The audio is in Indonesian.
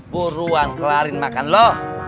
buruan kelarin makan lo